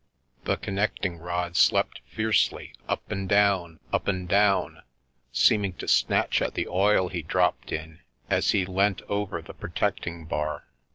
The connecting rods leapt fiercely up and down, up and down, seeming to snatch at the oil he dropped in as he leant over the protecting bar.